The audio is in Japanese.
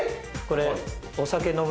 これ。